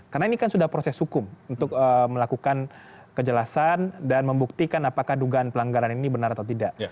karena ini kan sudah proses hukum untuk melakukan kejelasan dan membuktikan apakah dugaan pelanggaran ini benar atau tidak